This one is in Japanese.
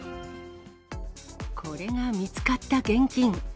これが見つかった現金。